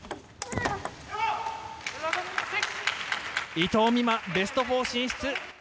伊藤美誠、ベスト４進出。